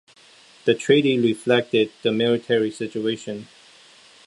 The treaty reflected the military situation.